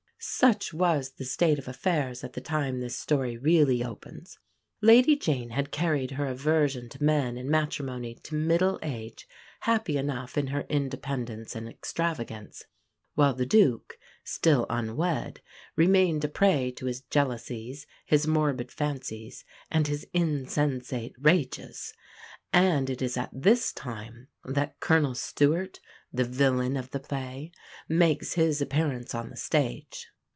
Such was the state of affairs at the time this story really opens. Lady Jean had carried her aversion to men and matrimony to middle age, happy enough in her independence and extravagance; while the Duke, still unwed, remained a prey to his jealousies, his morbid fancies and his insensate rages; and it is at this time that Colonel Stewart, the "villain of the play," makes his appearance on the stage.